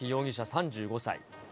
３５歳。